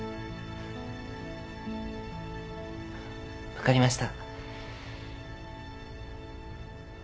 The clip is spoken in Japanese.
分かりました。